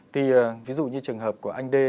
thì ví dụ như trường hợp của anh đê